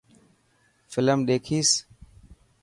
فلم ڏيکيس.